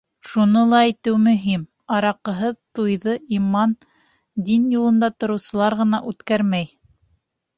Шуны ла әйтеү мөһим: араҡыһыҙ туйҙы иман, дин юлында тороусылар ғына үткәрмәй.